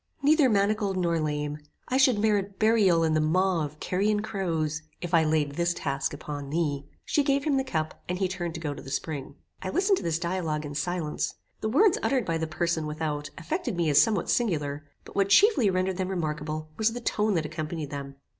Neither manacled nor lame, I should merit burial in the maw of carrion crows, if I laid this task upon thee." She gave him the cup, and he turned to go to the spring. I listened to this dialogue in silence. The words uttered by the person without, affected me as somewhat singular, but what chiefly rendered them remarkable, was the tone that accompanied them.